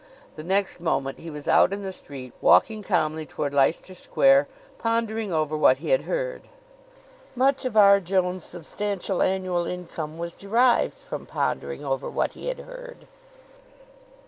The next moment he was out in the street, walking calmly toward Leicester Square, pondering over what he had heard. Much of R. Jones' substantial annual income was derived from pondering over what he had heard.